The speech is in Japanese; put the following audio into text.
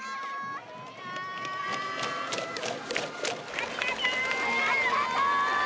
ありがとう！